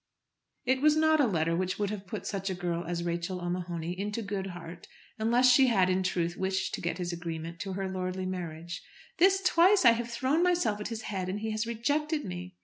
It was not a letter which would have put such a girl as Rachel O'Mahony into good heart unless she had in truth wished to get his agreement to her lordly marriage. "This twice I have thrown myself at his head and he has rejected me."